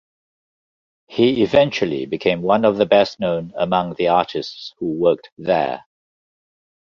He eventually became one of the best known among the artists who worked there.